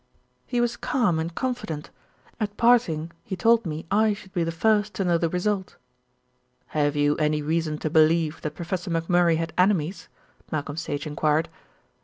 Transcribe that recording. "He was calm and confident. At parting he told me I should be the first to know the result." "Have you any reason to believe that Professor McMurray had enemies?" Malcolm Sage enquired.